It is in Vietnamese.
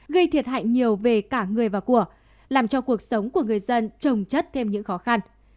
gây thiệt hại nhiều về cả người và của làm cho cuộc sống của người dân trồng chất thêm những khó khăn